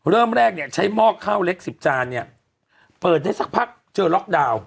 เริ่มแรกเนี่ยใช้หม้อข้าวเล็กสิบจานเนี่ยเปิดได้สักพักเจอล็อกดาวน์